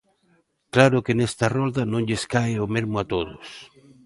Claro que nesta rolda non lles cae o mesmo a todos.